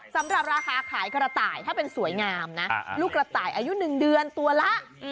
สำหรับราคาขายกระต่ายถ้าเป็นสวยงามนะลูกกระต่ายอายุ๑เดือนตัวละ